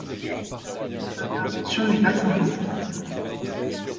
Cette intervention n’est pas sans risques.